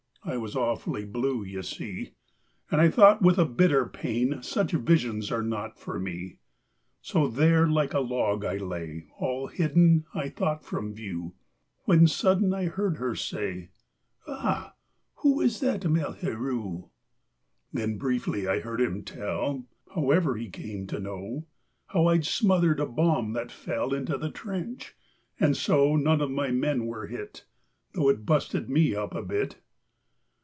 (I was awfully blue, you see), And I thought with a bitter pain: "Such visions are not for me." So there like a log I lay, All hidden, I thought, from view, When sudden I heard her say: "Ah! Who is that 'malheureux'?" Then briefly I heard him tell (However he came to know) How I'd smothered a bomb that fell Into the trench, and so None of my men were hit, Though it busted me up a bit.